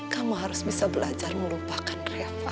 kamu harus bisa belajar melupakan riafa